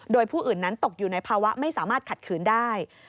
โดยผู้อื่นนั้นตกอยู่ในภาวะไม่สามารถขัดขืนได้